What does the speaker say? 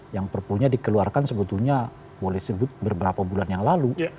yang perpunya dikeluarkan sebetulnya boleh disebut beberapa bulan yang lalu